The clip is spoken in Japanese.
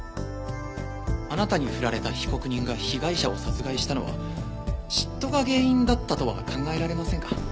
あなたにフラれた被告人が被害者を殺害したのは嫉妬が原因だったとは考えられませんか？